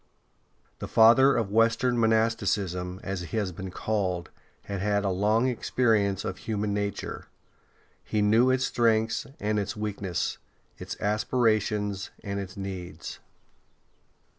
The Father of Western monasticism, as he has been called, had had a long experience of human nature; he knew its strength and its weakness, its aspirations, and its needs.